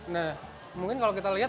nah mungkin kalau kita lihat